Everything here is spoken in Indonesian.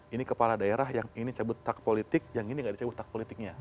ini kepala daerah yang ini cebut tak politik yang ini gak di cebut tak politiknya